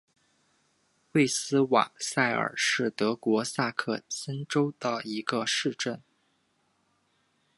魏斯瓦塞尔是德国萨克森州的一个市镇。